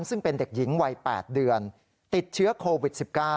ซึ่งเป็นเด็กหญิงวัย๘เดือนติดเชื้อโควิด๑๙